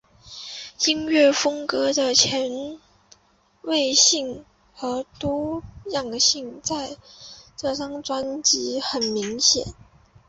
音乐风格的前卫性和多样性在这张专辑很明显。